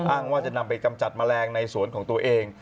อ้างว่าจะนำไปกำจัดแมลงในสวนของตัวเอง